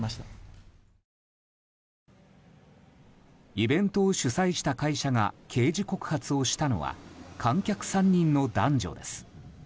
イベントを主催した会社が刑事告発をしたのは観客３人の男女です。